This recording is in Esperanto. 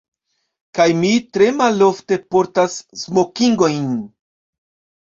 Kaj mi tre malofte portas smokingojn.